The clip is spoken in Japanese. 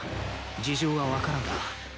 事情は分からんが。